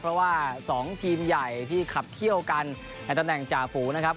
เพราะว่า๒ทีมใหญ่ที่ขับเขี้ยวกันในตำแหน่งจ่าฝูนะครับ